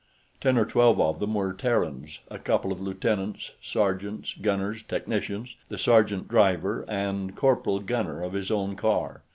Ten or twelve of them were Terrans a couple of lieutenants, sergeants, gunners, technicians, the sergeant driver and corporal gunner of his own car.